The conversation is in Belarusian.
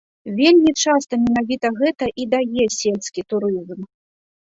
Вельмі часта менавіта гэта і дае сельскі турызм.